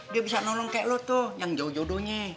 dia bisa nolong kayak lo tuh yang jauh jodohnya